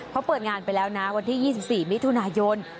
เขาเปิดงานไปแล้วนะวันที่๒๔มิถุนายน